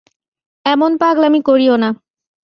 এমন পাগলামি করিয়ো না।